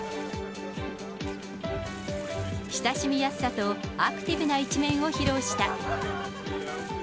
親しみやすさとアクティブな一面を披露した。